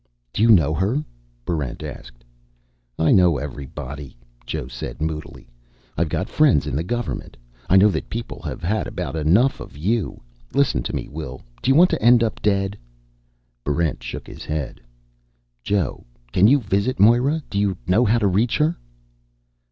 "Do you know her?" Barrent asked. "I know everybody," Joe said moodily. "I've got friends in the government. I know that people have had about enough of you. Listen to me, Will. Do you want to end up dead?" Barrent shook his head. "Joe, can you visit Moera? Do you know how to reach her?"